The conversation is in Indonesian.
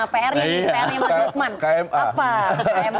pr nya mas rukman